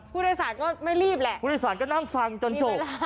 ผู้โดยสารก็ไม่รีบแหละผู้โดยสารก็นั่งฟังจนจบ